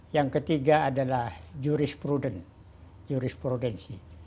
yang ketiga adalah jurisprudensi